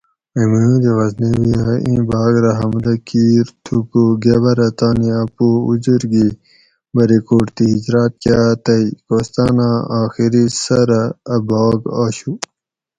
محمود غزنوی ھہ ایں بھاۤگ رہ حملہ کِیر تھوکو گبرہ تانی اۤ پو اُزر گی بریکوٹ تھی ھجراۤت کاۤ تئ کوستاۤناں آخری سرہ اۤ بھاگ آشو